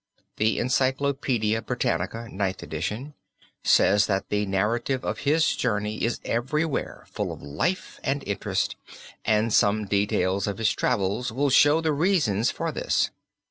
The Encyclopedia Britannica (ninth edition) says that the narrative of his journey is everywhere full of life and interest, and some details of his travels will show the reasons for this.